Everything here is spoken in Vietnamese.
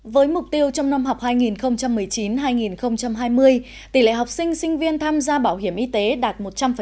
với mục tiêu trong năm học hai nghìn một mươi chín hai nghìn hai mươi tỷ lệ học sinh sinh viên tham gia bảo hiểm y tế đạt một trăm linh